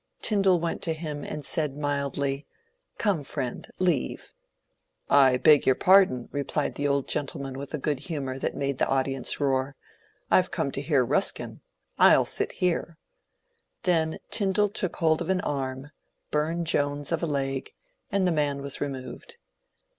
Tyndall went to him and said mildly, '^ Come, friend, leave." ^^ I beg your pardon," replied the old gentleman with a good humour that made the audience roar, ^* I 've come to hear Ruskin. I 'U sit here." Then Tyndall took hold of an arm, Bume Jones of a leg, and the man was removed.